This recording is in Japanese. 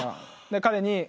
彼に。